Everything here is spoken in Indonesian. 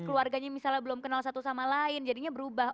keluarganya misalnya belum kenal satu sama lain jadinya berubah